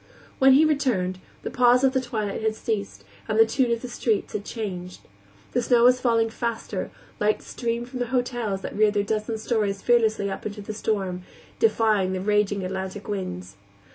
When he returned, the pause of the twilight had ceased and the tune of the streets had changed. The snow was falling faster, lights streamed from the hotels that reared their dozen stories fearlessly up into the storm, defying the raging Atlantic winds.